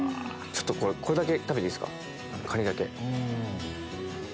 これだけ食べていいっすかカニだけ。